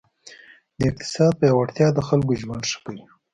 د اقتصاد پیاوړتیا د خلکو ژوند ښه کوي.